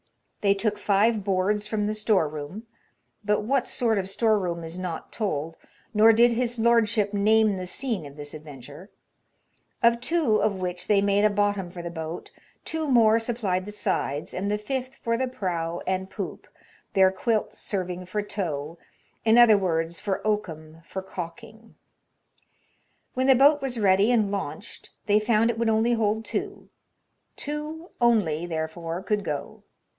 They took five boards from the store room — but what sort of store room is not told, nor did his lord ship name the scene of this adventure — of two of which they made a bottom for the boat, two more supplied the sides, and '' the fifth for the prow and poop, their quilt serving for towe," in other words for oakum for caulking. When the boat was ready and launched they found it would only hold two; two only, therefore, could go.